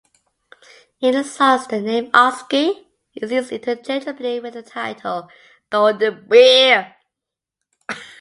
In the songs, the name "Oski" is used interchangeably with the title "Golden Bear".